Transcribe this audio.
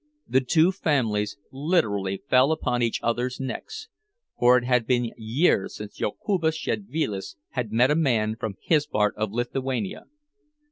The two families literally fell upon each other's necks—for it had been years since Jokubas Szedvilas had met a man from his part of Lithuania.